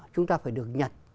chúng ta phải được nhận